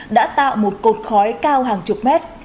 đã tạo một cột khói cao hàng chục mét